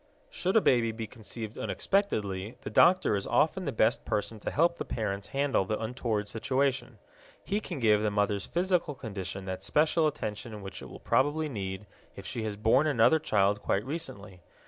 Should a baby be conceived unexpectedly, the doctor is often the best person to help the parents handle the untoward situation. He can give the mother's physical condition that special attention which it will probably need if she has borne another child quite recently.